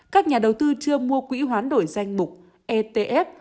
các nhà đầu tư chưa mua quỹ hoán đổi danh mục etf